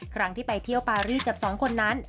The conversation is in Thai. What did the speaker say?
ครั้งที่ไปเที่ยวปารีสกับสองคนนั้น